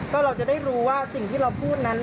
ก็เราจะได้รู้ว่าสิ่งที่เราพูดนั้น